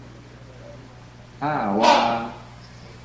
ha awaa